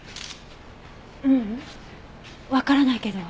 ううんわからないけど。